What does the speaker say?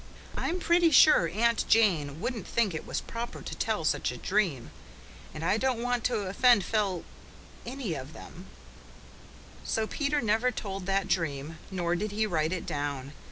I'm pretty sure Aunt Jane wouldn't think it was proper to tell such a dream. And I don't want to offend Fel any of them." So Peter never told that dream, nor did he write it down.